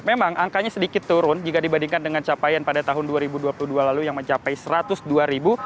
memang angkanya sedikit turun jika dibandingkan dengan capaian pada tahun dua ribu dua puluh dua lalu yang mencapai satu ratus dua ribu